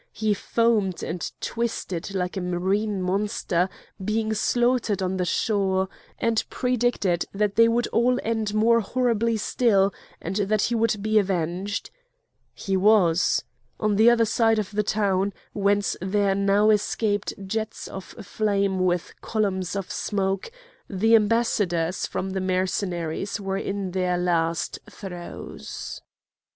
He foamed and twisted like a marine monster being slaughtered on the shore, and predicted that they would all end more horribly still, and that he would be avenged. He was. On the other side of the town, whence there now escaped jets of flame with columns of smoke, the ambassadors from the Mercenaries were in their last throes.